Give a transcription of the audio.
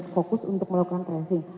fokus untuk melakukan tracing